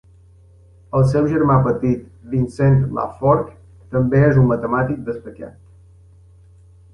El seu germà petit, Vincent Lafforgue, també és un matemàtic destacat.